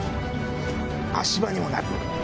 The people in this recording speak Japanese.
足場にもなる。